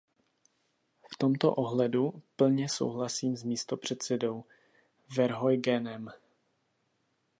V tomto ohledu plně souhlasím s místopředsedou Verheugenem.